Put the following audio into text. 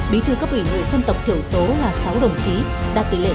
bí thư cấp ủy người dân tộc thiểu số là sáu đồng chí đạt tỷ lệ chín hai mươi ba